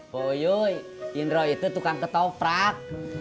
boyu indro itu tukang ketoprak